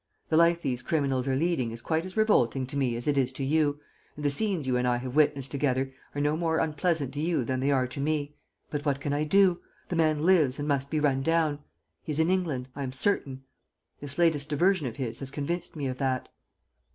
The life these criminals are leading is quite as revolting to me as it is to you, and the scenes you and I have witnessed together are no more unpleasant to you than they are to me; but what can I do? The man lives and must be run down. He is in England, I am certain. This latest diversion of his has convinced me of that."